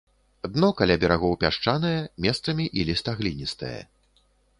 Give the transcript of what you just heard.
Дно каля берагоў пясчанае, месцамі іліста-гліністае.